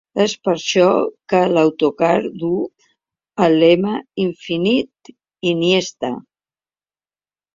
És per això que l’autocar duu el lema ‘infinit Iniesta’.